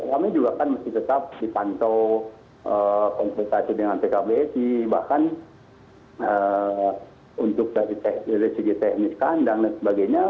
kami juga kan masih tetap dipantau pengkultasi dengan pkb si bahkan untuk dari segi teknis kandang dan sebagainya